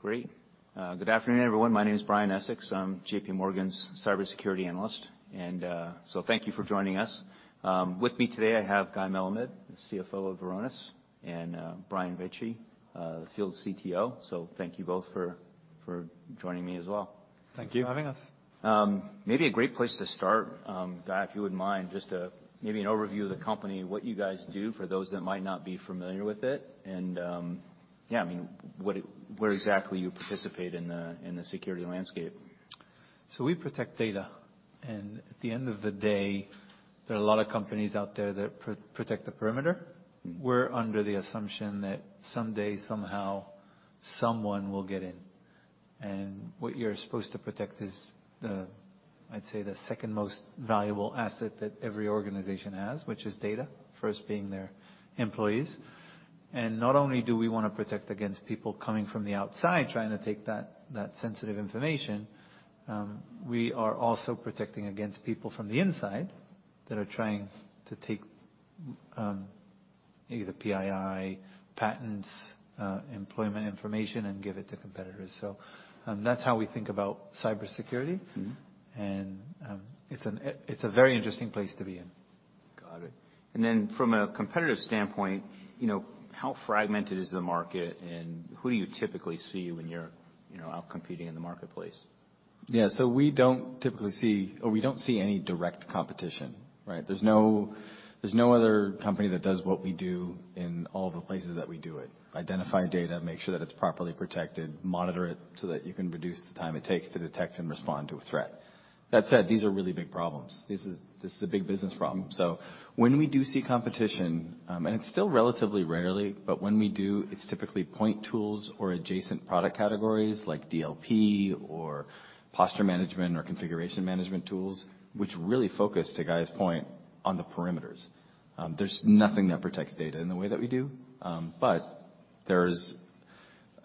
Great. Good afternoon, everyone. My name is Brian Essex. I'm JPMorgan's cybersecurity analyst, and so thank you for joining us. With me today, I have Guy Melamed, the CFO of Varonis, and Brian Vecci, the Field CTO. Thank you both for joining me as well. Thank you. Thank you for having us. Maybe a great place to start, Guy, if you wouldn't mind just, maybe an overview of the company, what you guys do, for those that might not be familiar with it, and, yeah, I mean, where exactly you participate in the security landscape. We protect data, and at the end of the day, there are a lot of companies out there that protect the perimeter. We're under the assumption that someday, somehow, someone will get in. What you're supposed to protect is the, I'd say, the second most valuable asset that every organization has, which is data, first being their employees. Not only do we wanna protect against people coming from the outside trying to take that sensitive information, we are also protecting against people from the inside that are trying to take either PII, patents, employment information and give it to competitors. That's how we think about cybersecurity. Mm-hmm. It's a very interesting place to be in. Got it. Then from a competitive standpoint, you know, how fragmented is the market, and who do you typically see when you're, you know, out competing in the marketplace? Yeah. We don't typically see... or we don't see any direct competition, right? There's no other company that does what we do in all the places that we do it. Identify data, make sure that it's properly protected, monitor it so that you can reduce the time it takes to detect and respond to a threat. That said, these are really big problems. This is a big business problem. When we do see competition, and it's still relatively rarely, but when we do, it's typically point tools or adjacent product categories like DLP or posture management or configuration management tools, which really focus, to Guy's point, on the perimeters. There's nothing that protects data in the way that we do. There's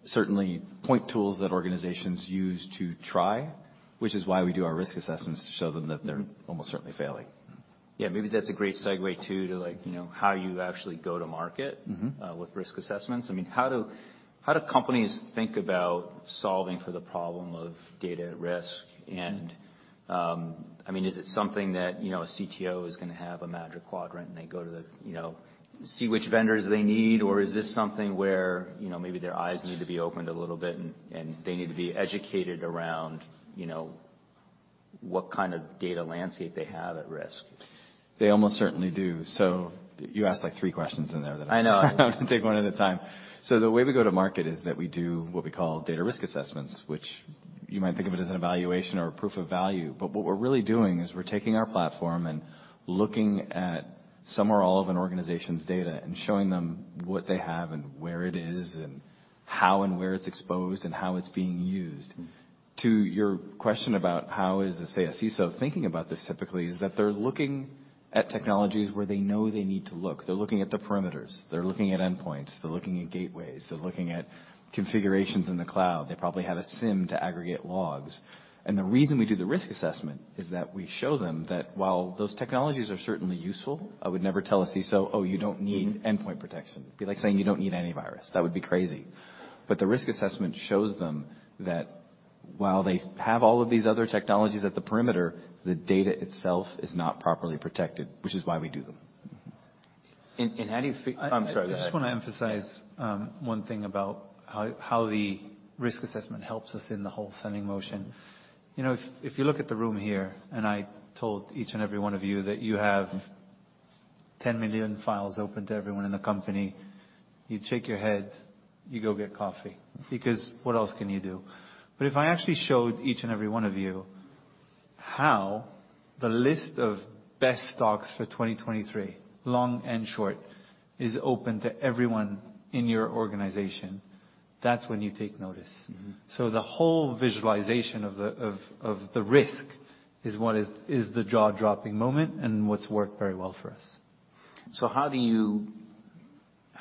certainly point tools that organizations use to try, which is why we do our risk assessments to show them that they're almost certainly failing. Yeah. Maybe that's a great segue, too, to like, you know, how you actually go to market- Mm-hmm. with risk assessments. I mean, how do, how do companies think about solving for the problem of data at risk? I mean, is it something that, you know, a CTO is gonna have a Magic Quadrant, and they go to the, you know, see which vendors they need? Or is this something where, you know, maybe their eyes need to be opened a little bit and they need to be educated around, you know, what kind of data landscape they have at risk? They almost certainly do. You asked like three questions in there. I know. I'm gonna take one at a time. The way we go to market is that we do what we call data risk assessments, which you might think of it as an evaluation or a proof of value, but what we're really doing is we're taking our platform and looking at some or all of an organization's data and showing them what they have and where it is and how and where it's exposed and how it's being used. To your question about how is, let's say, a CISO thinking about this typically, is that they're looking at technologies where they know they need to look. They're looking at the perimeters. They're looking at endpoints. They're looking at gateways. They're looking at configurations in the cloud. They probably have a SIEM to aggregate logs. The reason we do the risk assessment is that we show them that while those technologies are certainly useful, I would never tell a CISO, "Oh, you don't need endpoint protection." It'd be like saying you don't need antivirus. That would be crazy. The risk assessment shows them that while they have all of these other technologies at the perimeter, the data itself is not properly protected, which is why we do them. Mm-hmm. In how do you I'm sorry. Go ahead. I just wanna emphasize one thing about how the risk assessment helps us in the whole selling motion. You know, if you look at the room here, I told each and every one of you that you have 10 million files open to everyone in the company, you'd shake your head, you go get coffee because what else can you do? If I actually showed each and every one of you how the list of best stocks for 2023, long and short, is open to everyone in your organization, that's when you take notice. Mm-hmm. The whole visualization of the risk is what is the jaw-dropping moment and what's worked very well for us.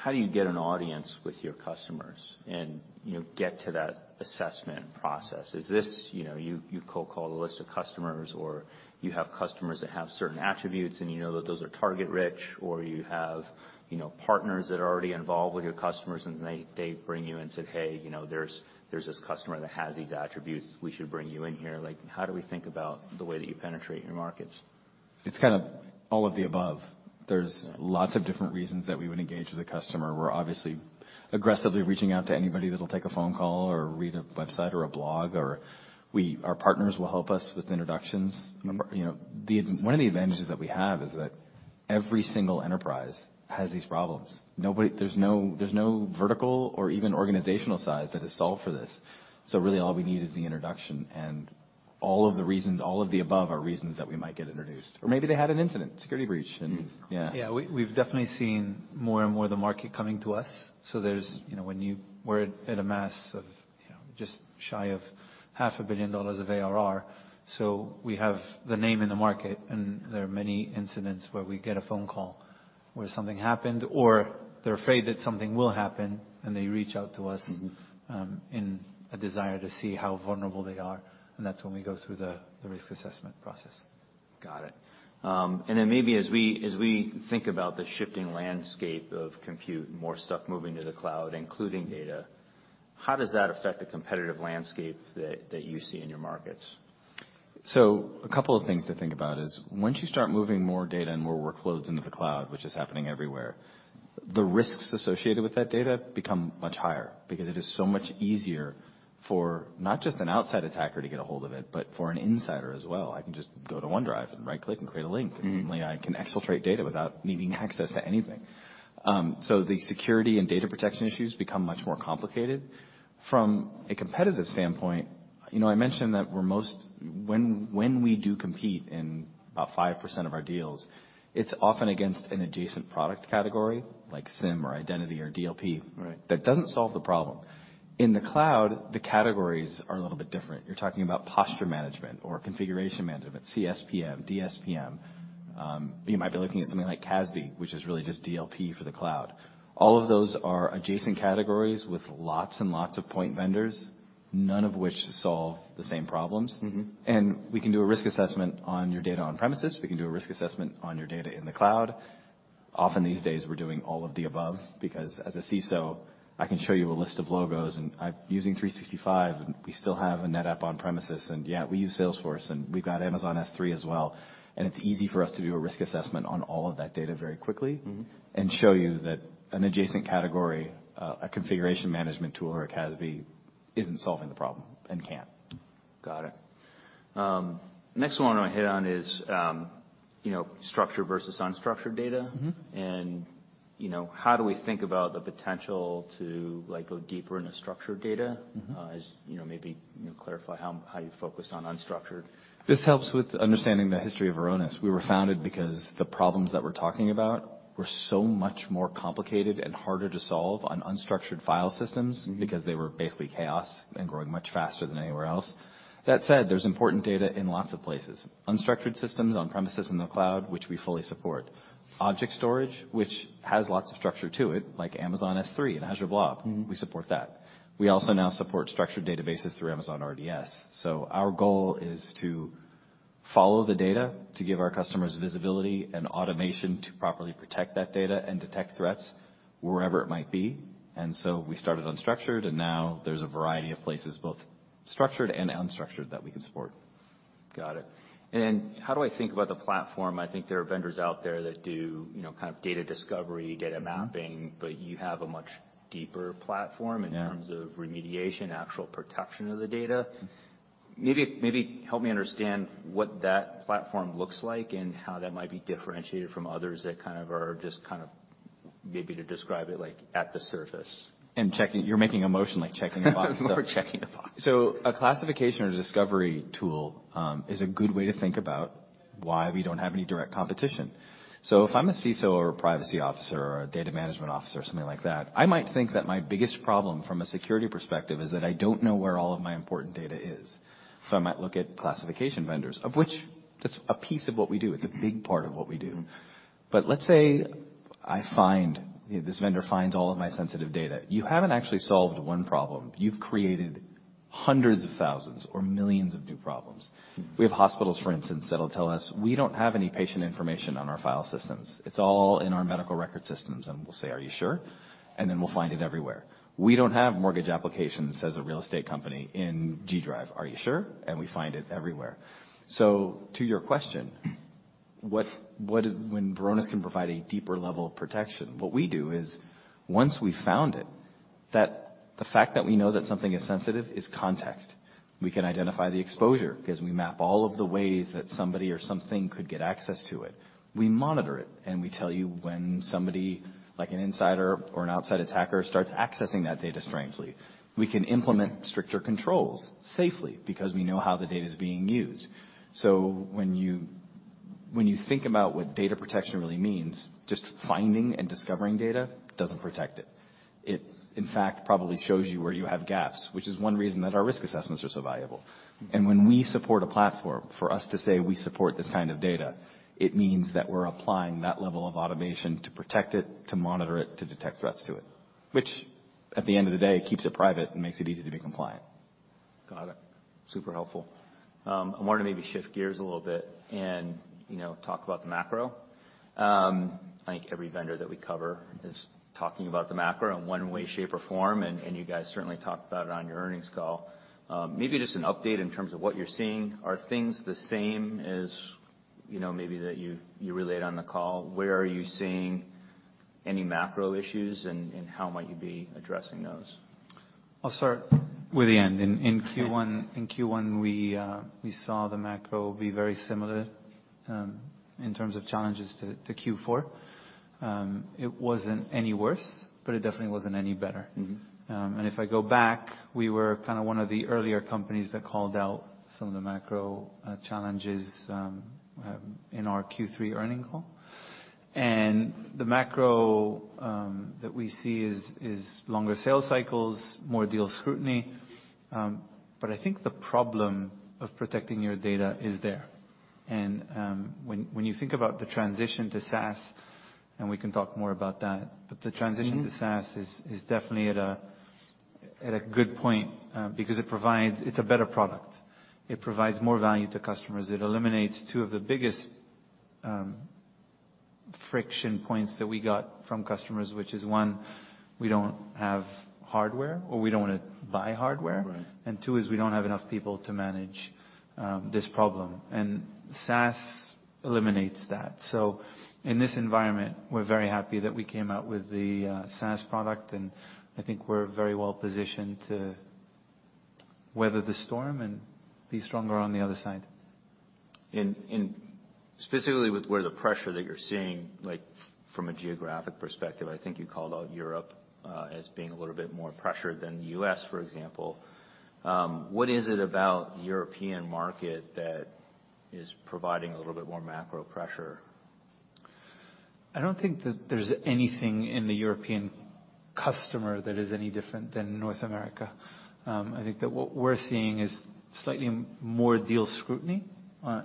How do you get an audience with your customers and, you know, get to that assessment process? Is this, you know, you cold call a list of customers, or you have customers that have certain attributes, and you know that those are target rich, or you have, you know, partners that are already involved with your customers, and they bring you and say, "Hey, you know, there's this customer that has these attributes. We should bring you in here." Like, how do we think about the way that you penetrate your markets? It's kind of all of the above. There's lots of different reasons that we would engage with a customer. We're obviously aggressively reaching out to anybody that'll take a phone call or read a website or a blog. Our partners will help us with introductions. Mm-hmm. You know, one of the advantages that we have is that every single enterprise has these problems. Nobody. There's no vertical or even organizational size that has solved for this. Really all we need is the introduction and all of the reasons, all of the above are reasons that we might get introduced. Maybe they had an incident, security breach, and yeah. Yeah. We've definitely seen more and more the market coming to us. There's, you know, we're at a mass of, you know, just shy of half a billion dollars of ARR. We have the name in the market, and there are many incidents where we get a phone call where something happened, or they're afraid that something will happen, and they reach out to us. Mm-hmm. In a desire to see how vulnerable they are, and that's when we go through the risk assessment process. Got it. Maybe as we think about the shifting landscape of compute, more stuff moving to the cloud, including data, how does that affect the competitive landscape that you see in your markets? A couple of things to think about is once you start moving more data and more workloads into the cloud, which is happening everywhere, the risks associated with that data become much higher because it is so much easier for not just an outside attacker to get a hold of it, but for an insider as well. I can just go to OneDrive and right-click and create a link. Mm-hmm. I can exfiltrate data without needing access to anything. The security and data protection issues become much more complicated. From a competitive standpoint, you know, I mentioned that we're most... When we do compete in about 5% of our deals, it's often against an adjacent product category like SIEM or identity or DLP- Right That doesn't solve the problem. In the cloud, the categories are a little bit different. You're talking about posture management or configuration management, CSPM, DSPM. You might be looking at something like CASB, which is really just DLP for the cloud. All of those are adjacent categories with lots and lots of point vendors, none of which solve the same problems. Mm-hmm. We can do a risk assessment on your data on premises. We can do a risk assessment on your data in the cloud. Often these days, we're doing all of the above because as a CISO, I can show you a list of logos, and I'm using Microsoft 365, and we still have a NetApp on premises. Yeah, we use Salesforce, and we've got Amazon S3 as well. It's easy for us to do a risk assessment on all of that data very quickly. Mm-hmm Show you that an adjacent category, a configuration management tool, or CASB isn't solving the problem and can't. Got it. Next one I want to hit on is, you know, structured versus unstructured data. Mm-hmm. You know, how do we think about the potential to, like, go deeper into structured data? Mm-hmm. As you know, maybe, you know, clarify how you focus on unstructured. This helps with understanding the history of Varonis. We were founded because the problems that we're talking about were so much more complicated and harder to solve on unstructured file systems. Mm-hmm They were basically chaos and growing much faster than anywhere else. That said, there's important data in lots of places. Unstructured systems on-premises in the cloud, which we fully support. Object storage, which has lots of structure to it, like Amazon S3 and Azure Blob. Mm-hmm We support that. We also now support structured databases through Amazon RDS. Our goal is to follow the data to give our customers visibility and automation to properly protect that data and detect threats wherever it might be. We started unstructured, and now there's a variety of places, both structured and unstructured, that we can support. Got it. How do I think about the platform? I think there are vendors out there that do, you know, kind of data discovery, data mapping. Mm-hmm you have a much deeper platform. Yeah In terms of remediation, actual protection of the data. Mm-hmm. Maybe help me understand what that platform looks like and how that might be differentiated from others that kind of are just kind of maybe to describe it like at the surface. checking... You're making a motion like checking a box. We're checking a box. A classification or discovery tool is a good way to think about why we don't have any direct competition. If I'm a CISO or a privacy officer or a data management officer or something like that, I might think that my biggest problem from a security perspective is that I don't know where all of my important data is. I might look at classification vendors, of which that's a piece of what we do. It's a big part of what we do. Mm-hmm. Let's say I find, this vendor finds all of my sensitive data. You haven't actually solved one problem. You've created hundreds of thousands or millions of new problems. Mm-hmm. We have hospitals, for instance, that'll tell us, "We don't have any patient information on our file systems. It's all in our medical record systems." We'll say, "Are you sure?" Then we'll find it everywhere. "We don't have mortgage applications as a real estate company in Google Drive." "Are you sure?" We find it everywhere. To your question, what When Varonis can provide a deeper level of protection, what we do is once we found it, that the fact that we know that something is sensitive is context. We can identify the exposure because we map all of the ways that somebody or something could get access to it. We monitor it, and we tell you when somebody, like an insider or an outside attacker, starts accessing that data strangely. We can implement stricter controls safely because we know how the data is being used. When you think about what data protection really means, just finding and discovering data doesn't protect it. It in fact probably shows you where you have gaps, which is one reason that our risk assessments are so valuable. Mm-hmm. When we support a platform, for us to say we support this kind of data, it means that we're applying that level of automation to protect it, to monitor it, to detect threats to it, which at the end of the day, keeps it private and makes it easy to be compliant. Got it. Super helpful. I wanted to maybe shift gears a little bit and, you know, talk about the macro. I think every vendor that we cover is talking about the macro in one way, shape, or form. You guys certainly talk about it on your earnings call. Maybe just an update in terms of what you're seeing. Are things the same as, you know, maybe that you relayed on the call? Where are you seeing any macro issues? How might you be addressing those? I'll start with the end. In Q1, we saw the macro be very similar, in terms of challenges to Q4. It wasn't any worse, it definitely wasn't any better. Mm-hmm. and if I go back, we were kind of one of the earlier companies that called out some of the macro challenges in our Q3 earnings call. The macro that we see is longer sales cycles, more deal scrutiny. I think the problem of protecting your data is there. When you think about the transition to SaaS, and we can talk more about that. Mm-hmm. The transition to SaaS is definitely at a good point because it provides. It's a better product. It provides more value to customers. It eliminates two of the biggest friction points that we got from customers, which is, one, we don't have hardware or we don't wanna buy hardware. Right. Two is we don't have enough people to manage, this problem, and SaaS eliminates that. In this environment, we're very happy that we came out with the SaaS product, and I think we're very well positioned to weather the storm and be stronger on the other side. In specifically with where the pressure that you're seeing, like from a geographic perspective, I think you called out Europe, as being a little bit more pressured than U.S., for example. What is it about the European market that is providing a little bit more macro pressure? I don't think that there's anything in the European customer that is any different than North America. I think that what we're seeing is slightly more deal scrutiny,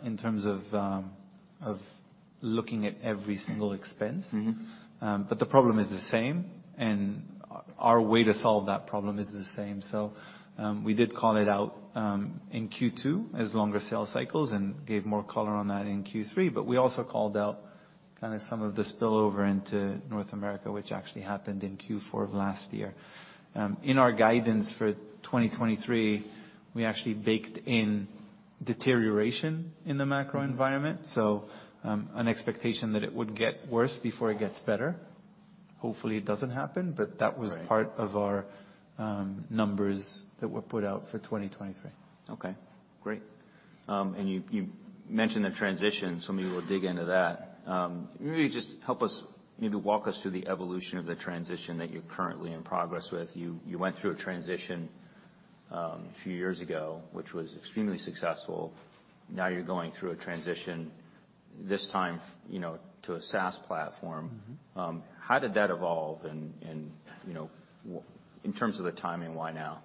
in terms of looking at every single expense. Mm-hmm. The problem is the same, and our way to solve that problem is the same. We did call it out in Q2 as longer sales cycles and gave more color on that in Q3, but we also called out kind of some of the spillover into North America, which actually happened in Q4 of last year. In our guidance for 2023, we actually baked in deterioration in the macro environment. Mm-hmm. An expectation that it would get worse before it gets better. Hopefully, it doesn't happen. Right. that was part of our, numbers that were put out for 2023. Okay, great. You, you mentioned the transition, so maybe we'll dig into that. Maybe just walk us through the evolution of the transition that you're currently in progress with. You, you went through a transition a few years ago, which was extremely successful. Now you're going through a transition this time, you know, to a SaaS platform. Mm-hmm. How did that evolve? You know, in terms of the timing, why now?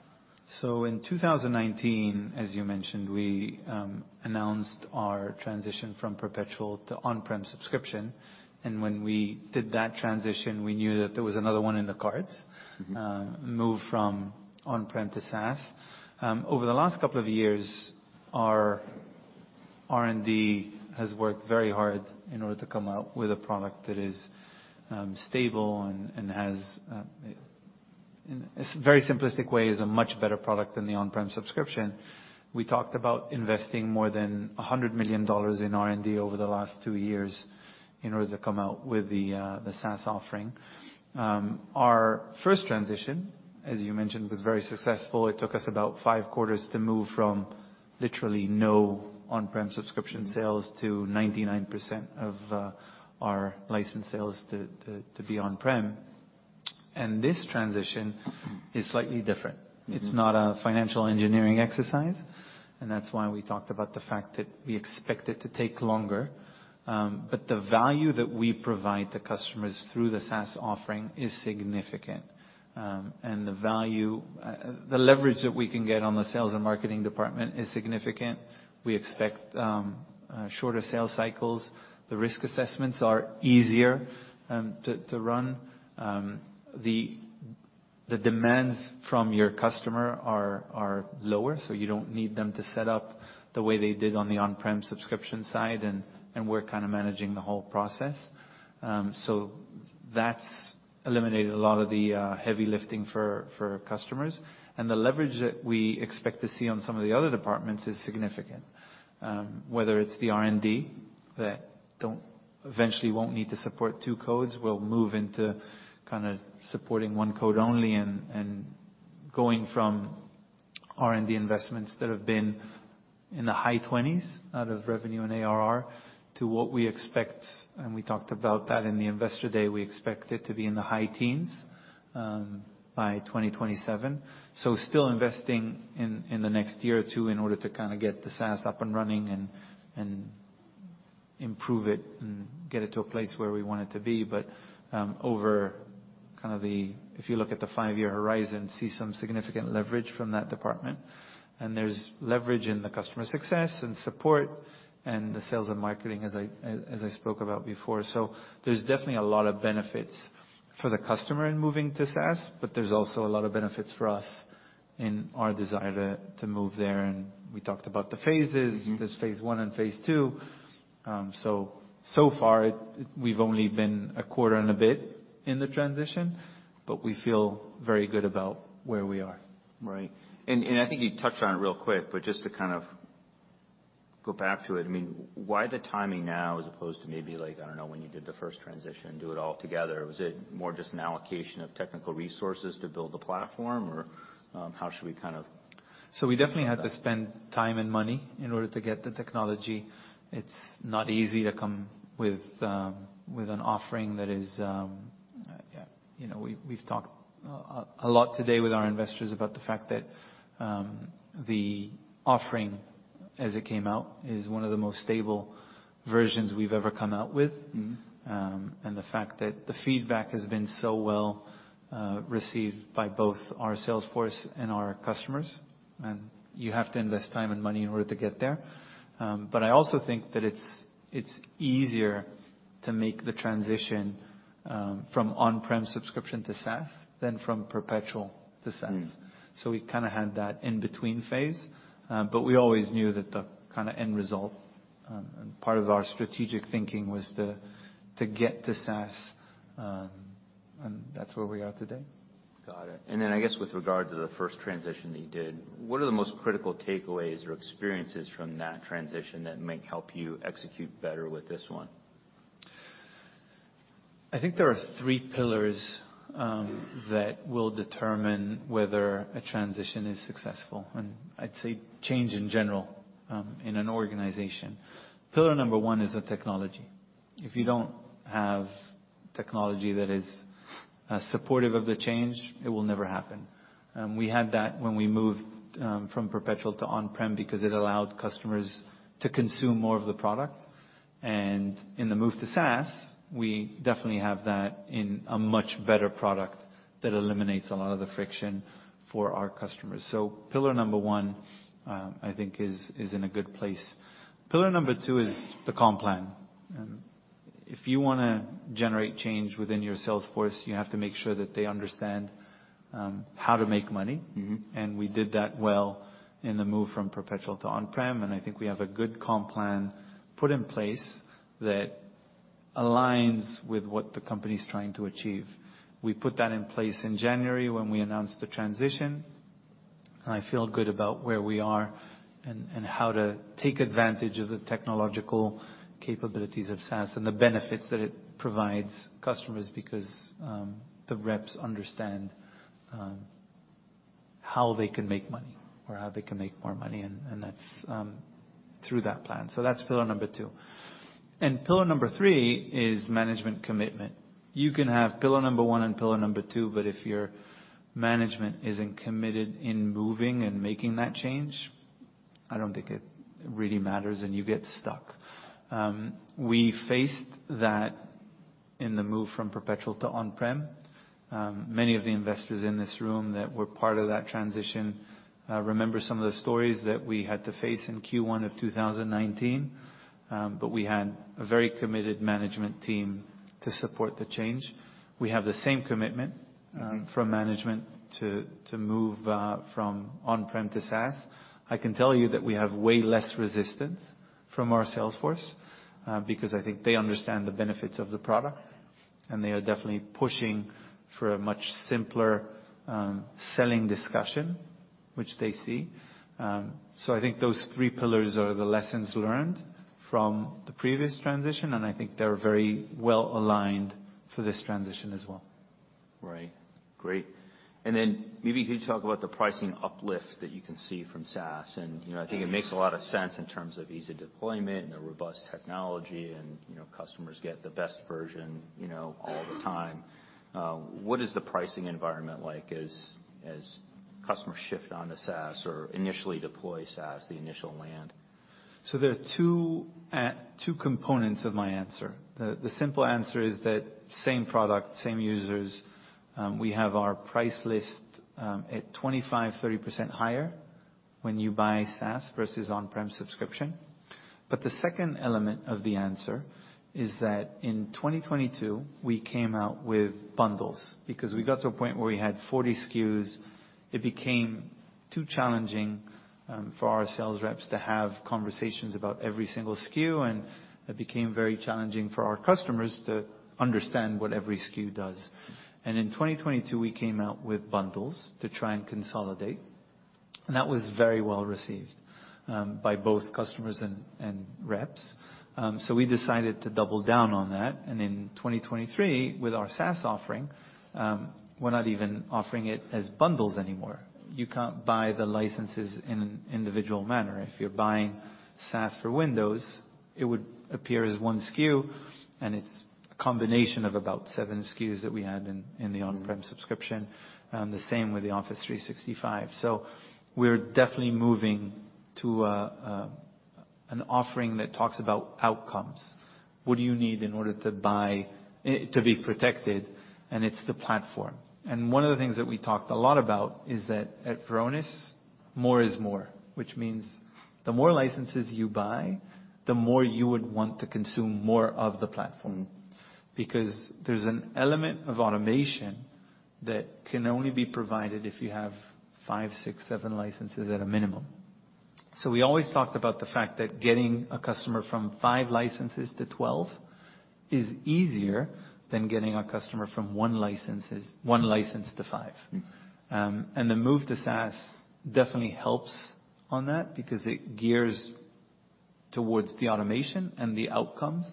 In 2019, as you mentioned, we announced our transition from perpetual to on-prem subscription. When we did that transition, we knew that there was another one in the cards. Mm-hmm. Move from on-prem to SaaS. Over the last couple of years, our R&D has worked very hard in order to come out with a product that is stable and has, in a very simplistic way, is a much better product than the on-prem subscription. We talked about investing more than $100 million in R&D over the last two years in order to come out with the SaaS offering. Our first transition, as you mentioned, was very successful. It took us about 5Qs to move from literally no on-prem subscription sales to 99% of our licensed sales to be on-prem. This transition is slightly different. Mm-hmm. It's not a financial engineering exercise, that's why we talked about the fact that we expect it to take longer. The value that we provide the customers through the SaaS offering is significant. The leverage that we can get on the sales and marketing department is significant. We expect shorter sales cycles. The risk assessments are easier to run. The demands from your customer are lower, so you don't need them to set up the way they did on the on-prem subscription side, and we're kind of managing the whole process. So that's eliminated a lot of the heavy lifting for customers. The leverage that we expect to see on some of the other departments is significant. Whether it's the R&D that eventually won't need to support two codes, will move into kind of supporting one code only and going from R&D investments that have been in the high 20s out of revenue and ARR to what we expect, and we talked about that in the Investor Day, we expect it to be in the high teens by 2027. Still investing in the next year or two in order to kind of get the SaaS up and running and improve it and get it to a place where we want it to be. Over if you look at the five-year horizon, see some significant leverage from that department. There's leverage in the customer success and support and the sales and marketing, as I spoke about before. There's definitely a lot of benefits for the customer in moving to SaaS, but there's also a lot of benefits for us in our desire to move there. We talked about the phases. Mm-hmm. There's phase one and phase two. So far we've only been a quarter and a bit in the transition, but we feel very good about where we are. Right. I think you touched on it real quick, but just to kind of go back to it, I mean, why the timing now as opposed to maybe like, I don't know, when you did the first transition, do it all together? Was it more just an allocation of technical resources to build the platform? How should we kind of- We definitely had to spend time and money in order to get the technology. It's not easy to come with an offering that is, you know, we've talked a lot today with our investors about the fact that the offering as it came out is one of the most stable versions we've ever come out with. Mm-hmm. The fact that the feedback has been so well received by both our sales force and our customers, and you have to invest time and money in order to get there. I also think that it's easier to make the transition from on-prem subscription to SaaS, than from perpetual to SaaS. Mm-hmm. We kind of had that in-between phase, but we always knew that the kind of end result, and part of our strategic thinking was to get to SaaS, and that's where we are today. Got it. I guess with regard to the first transition that you did, what are the most critical takeaways or experiences from that transition that might help you execute better with this one? I think there are three pillars that will determine whether a transition is successful, and I'd say change in general in an organization. Pillar number one is the technology. If you don't have technology that is supportive of the change, it will never happen. We had that when we moved from perpetual to on-prem because it allowed customers to consume more of the product. In the move to SaaS, we definitely have that in a much better product that eliminates a lot of the friction for our customers. Pillar number one, I think is in a good place. Pillar number two is the comp plan. If you wanna generate change within your sales force, you have to make sure that they understand how to make money. Mm-hmm. We did that well in the move from perpetual to on-prem, and I think we have a good comp plan put in place that aligns with what the company's trying to achieve. We put that in place in January when we announced the transition, and I feel good about where we are and how to take advantage of the technological capabilities of SaaS and the benefits that it provides customers because the reps understand how they can make money or how they can make more money, and that's through that plan. That's pillar number two. Pillar number three is management commitment. You can have pillar number one and pillar number two, but if your management isn't committed in moving and making that change, I don't think it really matters, and you get stuck. We faced that in the move from perpetual to on-prem. Many of the investors in this room that were part of that transition, remember some of the stories that we had to face in Q1 of 2019. We had a very committed management team to support the change. We have the same commitment from management to move from on-prem to SaaS. I can tell you that we have way less resistance from our sales force because I think they understand the benefits of the product, and they are definitely pushing for a much simpler selling discussion, which they see. I think those three pillars are the lessons learned from the previous transition, and I think they're very well aligned for this transition as well. Right. Great. Then maybe can you talk about the pricing uplift that you can see from SaaS? You know, I think it makes a lot of sense in terms of easy deployment and the robust technology and, you know, customers get the best version, you know, all the time. What is the pricing environment like as customers shift onto SaaS or initially deploy SaaS, the initial land? There are two components of my answer. The simple answer is that same product, same users, we have our price list at 25%-30% higher when you buy SaaS versus on-prem subscription. The second element of the answer is that in 2022, we came out with bundles because we got to a point where we had 40 SKUs. It became too challenging for our sales reps to have conversations about every single SKU, and it became very challenging for our customers to understand what every SKU does. In 2022, we came out with bundles to try and consolidate, and that was very well received by both customers and reps. We decided to double down on that. In 2023, with our SaaS offering, we're not even offering it as bundles anymore. You can't buy the licenses in an individual manner. If you're buying SaaS for Windows, it would appear as one SKU, and it's a combination of about seven SKUs that we had in the on-prem subscription. The same with the Microsoft 365. We're definitely moving to an offering that talks about outcomes. What do you need in order to be protected? It's the platform. One of the things that we talked a lot about is that at Varonis, more is more, which means the more licenses you buy, the more you would want to consume more of the platform. Because there's an element of automation that can only be provided if you have five, six, seven licenses at a minimum. We always talked about the fact that getting a customer from five licence-12 is easier than getting a customer from one license to five. The move to SaaS definitely helps on that because it gears towards the automation and the outcomes,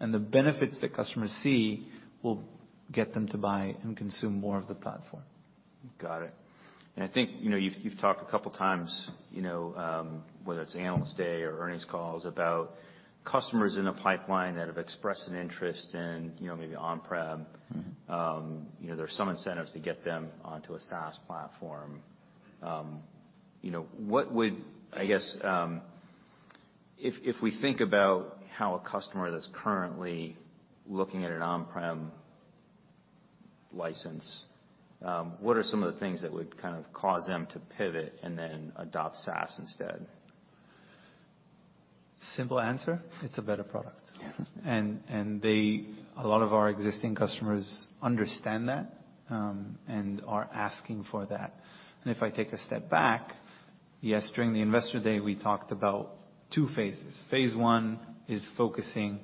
and the benefits that customers see will get them to buy and consume more of the platform. Got it. I think, you know, you've talked a couple times, you know, whether it's Investor Day or earnings calls about customers in the pipeline that have expressed an interest in, you know, maybe on-prem. Mm-hmm. You know, there are some incentives to get them onto a SaaS platform. You know, I guess, if we think about how a customer that's currently looking at an on-prem license, what are some of the things that would kind of cause them to pivot and then adopt SaaS instead? Simple answer, it's a better product. Yeah. A lot of our existing customers understand that and are asking for that. If I take a step back, yes, during the Investor Day, we talked about two phases. Phase I is focusing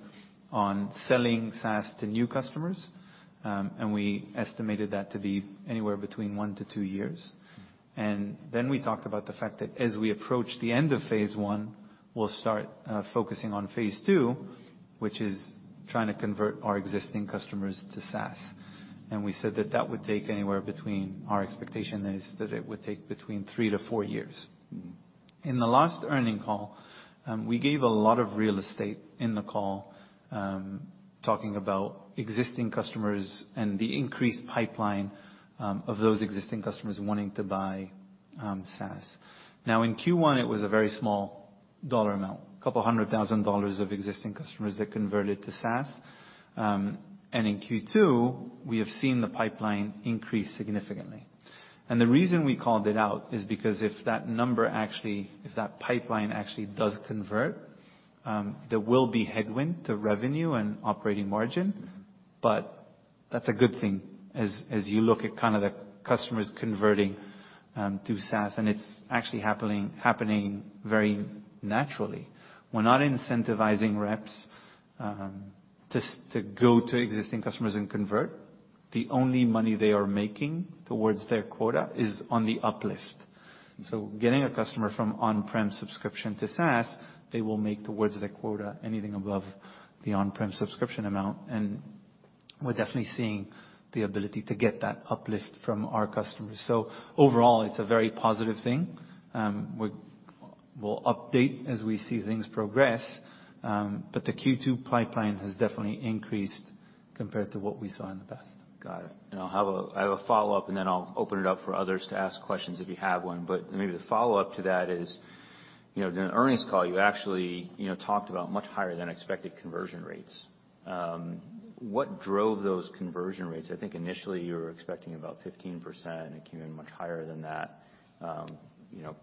on selling SaaS to new customers, and we estimated that to be anywhere between one to two years. Then we talked about the fact that as we approach the end of phase I, we'll start focusing on phase two, which is trying to convert our existing customers to SaaS. We said that that would take anywhere between, our expectation is that it would take between three to four years. Mm-hmm. In the last earnings call, we gave a lot of real estate in the call, talking about existing customers and the increased pipeline of those existing customers wanting to buy SaaS. Now, in Q1, it was a very small dollar amount, couple hundred thousand dollars of existing customers that converted to SaaS. In Q2, we have seen the pipeline increase significantly. The reason we called it out is because if that number actually, if that pipeline actually does convert, there will be headwind to revenue and operating margin. hat's a good thing as you look at kind of the customers converting to SaaS, and it's actually happening very naturally. We're not incentivizing reps, just to go to existing customers and convert. The only money they are making towards their quota is on the uplift. Getting a customer from on-prem subscription to SaaS, they will make towards their quota anything above the on-prem subscription amount, we're definitely seeing the ability to get that uplift from our customers. Overall, it's a very positive thing. We're, we'll update as we see things progress, the Q2 pipeline has definitely increased compared to what we saw in the past. Got it. I'll have a follow-up, and then I'll open it up for others to ask questions if you have one. Maybe the follow-up to that is, you know, during the earnings call, you actually, you know, talked about much higher than expected conversion rates. What drove those conversion rates? I think initially you were expecting about 15%, it came in much higher than that, you know,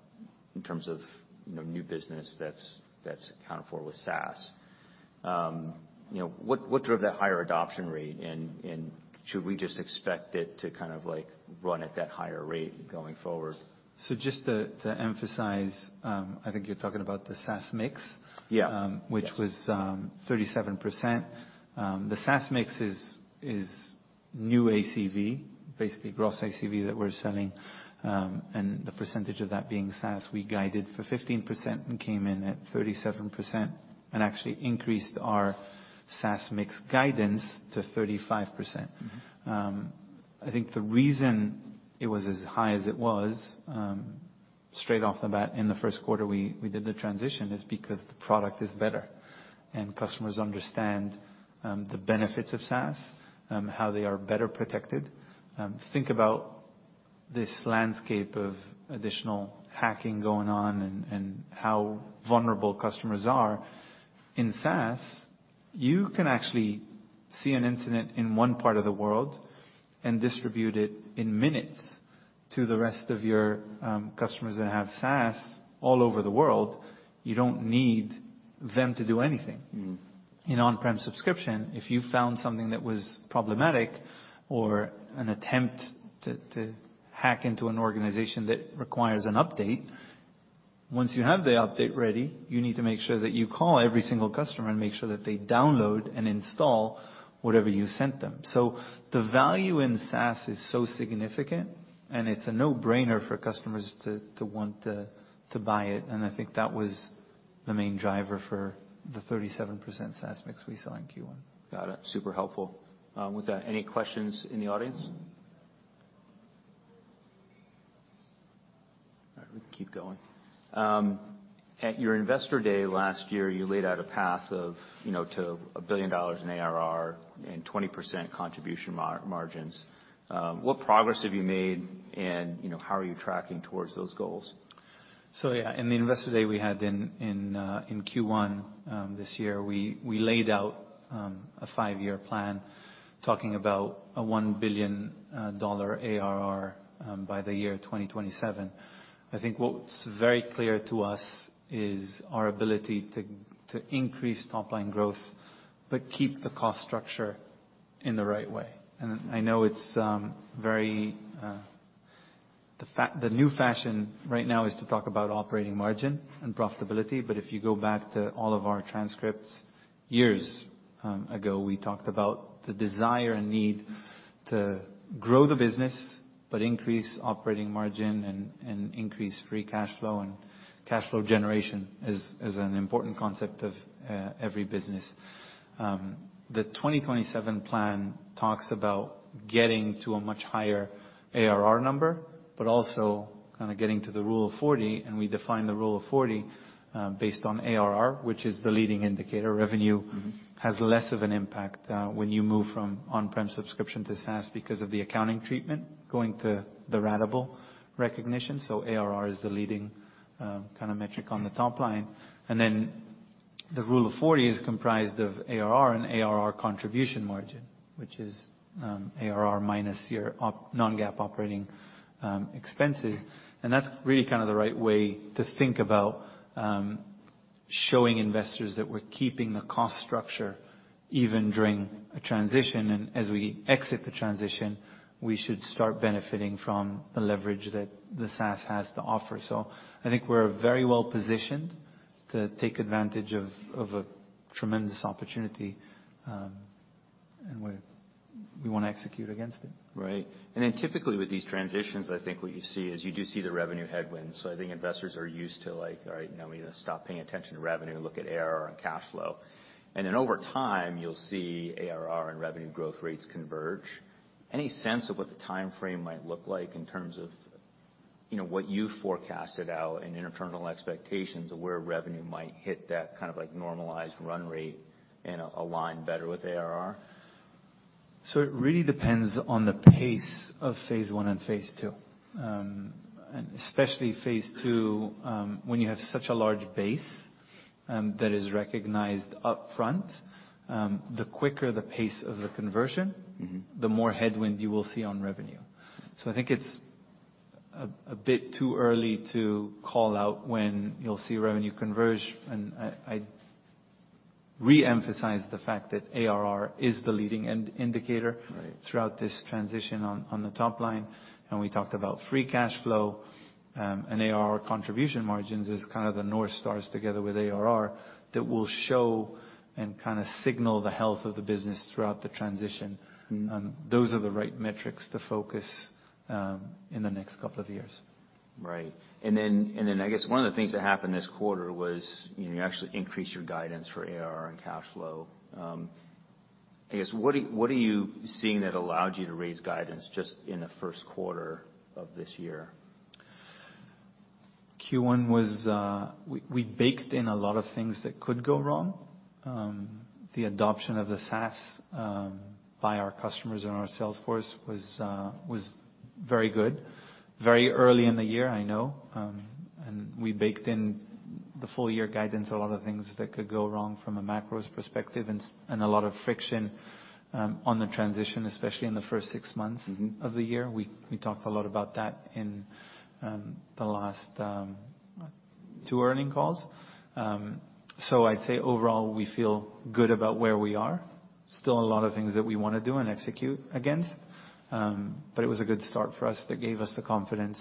in terms of, you know, new business that's accounted for with SaaS. You know, what drove that higher adoption rate and should we just expect it to kind of like run at that higher rate going forward? Just to emphasize, I think you're talking about the SaaS mix. Yeah. which was 37%. The SaaS mix is new ACV, basically gross ACV that we're selling, and the percentage of that being SaaS, we guided for 15% and came in at 37% and actually increased our SaaS mix guidance to 35%. Mm-hmm. I think the reason it was as high as it was straight off the bat in the Q1 we did the transition is because the product is better and customers understand the benefits of SaaS, how they are better protected. Think about this landscape of additional hacking going on and how vulnerable customers are. In SaaS, you can actually see an incident in one part of the world and distribute it in minutes to the rest of your customers that have SaaS all over the world. You don't need them to do anything. Mm-hmm. In on-prem subscription, if you found something that was problematic or an attempt to hack into an organization that requires an update, once you have the update ready, you need to make sure that you call every single customer and make sure that they download and install whatever you sent them. The value in SaaS is so significant, and it's a no-brainer for customers to want to buy it. I think that was the main driver for the 37% SaaS mix we saw in Q1. Got it. Super helpful. With that, any questions in the audience? All right, we can keep going. At your Investor Day last year, you laid out a path of, you know, to $1 billion in ARR and 20% contribution margins. What progress have you made and, you know, how are you tracking towards those goals? Yeah, in the Investor Day we had in Q1 this year, we laid out a five-year plan talking about a $1 billion ARR by the year 2027. I think what's very clear to us is our ability to increase top-line growth but keep the cost structure in the right way. I know it's very the new fashion right now is to talk about operating margin and profitability. If you go back to all of our transcripts years ago, we talked about the desire and need to grow the business but increase operating margin and increase free cash flow. Cash flow generation is an important concept of every business. The 2027 plan talks about getting to a much higher ARR number, but also kind of getting to the Rule of 40. We define the Rule of 40 based on ARR, which is the leading indicator. Mm-hmm... has less of an impact when you move from on-prem subscription to SaaS because of the accounting treatment going to the ratable recognition. ARR is the leading kind of metric on the top line. The Rule of 40 is comprised of ARR and ARR contribution margin, which is ARR minus your non-GAAP operating expenses. That's really kind of the right way to think about showing investors that we're keeping the cost structure even during a transition. As we exit the transition, we should start benefiting from the leverage that the SaaS has to offer. I think we're very well positioned to take advantage of a tremendous opportunity, and we wanna execute against it. Right. Typically with these transitions, I think what you see is you do see the revenue headwinds. I think investors are used to like, all right, now we need to stop paying attention to revenue and look at ARR and cash flow. Over time, you'll see ARR and revenue growth rates converge. Any sense of what the timeframe might look like in terms of, you know, what you forecasted out in internal expectations of where revenue might hit that kind of like normalized run rate and align better with ARR? It really depends on the pace of phase one and phase two. Especially phase two, when you have such a large base, that is recognized upfront, the quicker the pace of the. Mm-hmm. the more headwind you will see on revenue. I think it's a bit too early to call out when you'll see revenue converge. I reemphasize the fact that ARR is the leading indicator. Right. throughout this transition on the top line. We talked about free cash flow, and ARR contribution margins is kind of the North Stars together with ARR that will show and kinda signal the health of the business throughout the transition. Mm-hmm. Those are the right metrics to focus, in the next couple of years. Right. I guess one of the things that happened this quarter was, you know, you actually increased your guidance for ARR and cash flow. I guess, what are you seeing that allowed you to raise guidance just in the first quarter of this year? Q1 was, we baked in a lot of things that could go wrong. The adoption of the SaaS by our customers and our sales force was very good. Very early in the year, I know. We baked in the full year guidance, a lot of things that could go wrong from a macros perspective and a lot of friction on the transition, especially in the first six months- Mm-hmm. of the year. We talked a lot about that in, the last, two earning calls. I'd say overall, we feel good about where we are. Still a lot of things that we wanna do and execute against. It was a good start for us that gave us the confidence,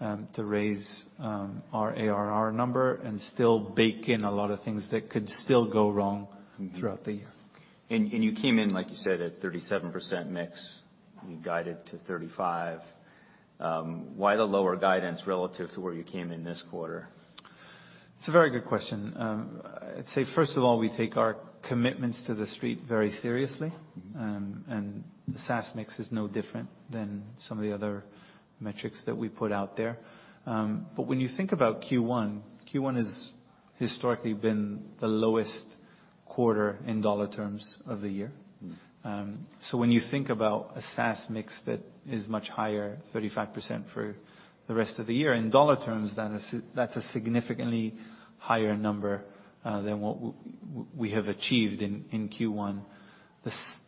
to raise, our ARR number and still bake in a lot of things that could still go wrong. Mm-hmm. throughout the year. You came in, like you said, at 37% mix. You guided to 35. Why the lower guidance relative to where you came in this quarter? It's a very good question. I'd say, first of all, we take our commitments to the Street very seriously. Mm-hmm. The SaaS mix is no different than some of the other metrics that we put out there. When you think about Q1 has historically been the lowest quarter in dollar terms of the year. Mm-hmm. When you think about a SaaS mix that is much higher, 35% for the rest of the year, in $ terms, that's a significantly higher number than what we have achieved in Q1.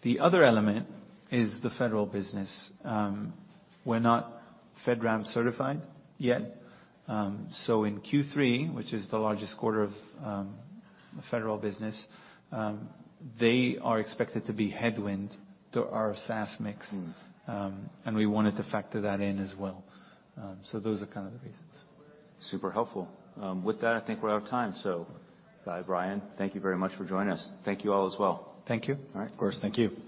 The other element is the federal business. We're not FedRAMP certified yet. In Q3, which is the largest quarter of the federal business, they are expected to be headwind to our SaaS mix. Mm. We wanted to factor that in as well. Those are kind of the reasons. Super helpful. With that, I think we're out of time. Guy, Brian, thank you very much for joining us. Thank you all as well. Thank you. All right. Of course. Thank you. Thanks.